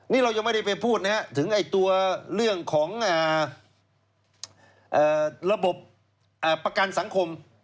นี่เรายังไม่ได้ไปพูดถึงตัวเรื่องของระบบประกันสังคม